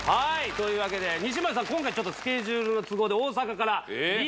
というわけで西森さん今回スケジュールの都合で。